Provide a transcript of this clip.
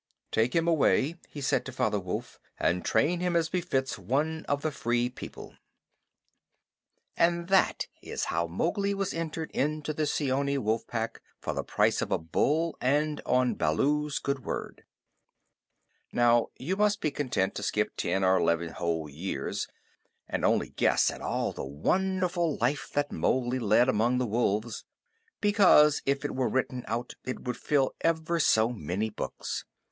"Take him away," he said to Father Wolf, "and train him as befits one of the Free People." And that is how Mowgli was entered into the Seeonee Wolf Pack for the price of a bull and on Baloo's good word. Now you must be content to skip ten or eleven whole years, and only guess at all the wonderful life that Mowgli led among the wolves, because if it were written out it would fill ever so many books.